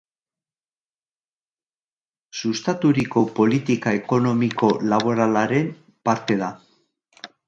Sustaturiko politika ekonomiko-laboralaren parte da.